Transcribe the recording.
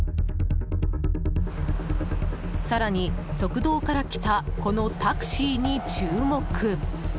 更に、側道から来たこのタクシーに注目。